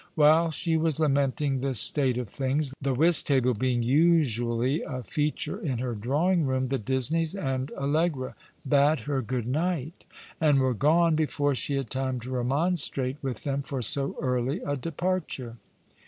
While she was lamenting this state of things, the whist table being usually a feature in her drawing room, the Disneys and Allegra bade her good night, and were gone before she had time to remonstrate with them for so early a departure.